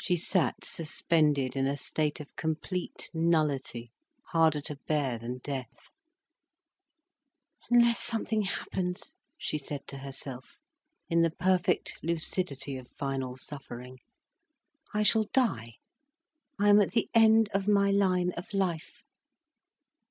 She sat suspended in a state of complete nullity, harder to bear than death. "Unless something happens," she said to herself, in the perfect lucidity of final suffering, "I shall die. I am at the end of my line of life."